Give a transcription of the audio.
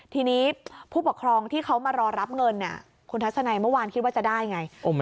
ทีนี้ผู้ปกครองที่เขามารอรับเงินคุณทัศนัยเมื่อวานคิดว่าจะได้ไง